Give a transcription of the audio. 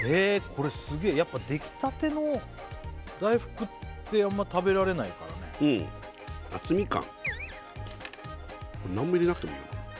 これすげえやっぱできたての大福ってあんま食べられないからねうん夏みかん何も入れなくてもいいよ